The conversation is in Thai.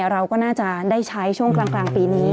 เราก็น่าจะได้ใช้ช่วงกลางปีนี้